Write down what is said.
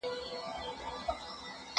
زه به اوږده موده د نوي لغتونو يادونه کړې وم؟!